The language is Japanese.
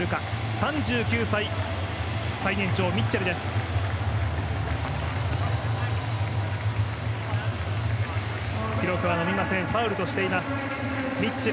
３９歳、最年長のミッチェル。